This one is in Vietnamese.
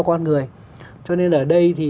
con người cho nên ở đây thì